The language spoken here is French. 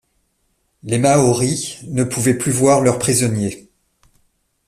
Les Maoris ne pouvaient plus voir leurs prisonniers.